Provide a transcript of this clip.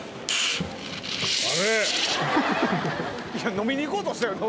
飲みに行こうとしたよな？